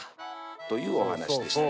というお話でしたね。